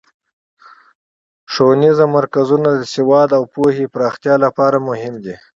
ښوونیز مرکزونه د سواد او پوهې پراختیا لپاره مهم دي.